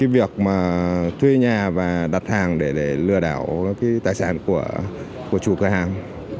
việc thuê nhà và đặt hàng để lừa đảo tài sản của chủ cửa hàng